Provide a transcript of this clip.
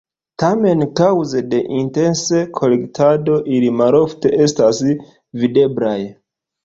Tamen, kaŭze de intense kolektado, ili malofte estas videblaj.